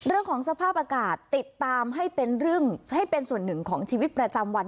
เรื่องของสภาพอากาศติดตามให้เป็นเรื่องให้เป็นส่วนหนึ่งของชีวิตประจำวัน